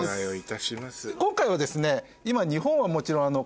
今回はですね